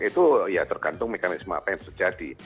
itu ya tergantung mekanisme apa yang terjadi